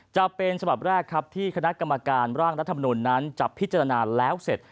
จะเป็นฉบับแรกครับที่คณะกรรมการร่างรัฐมนุนนั้นจะพิจารณาแล้วเสร็จ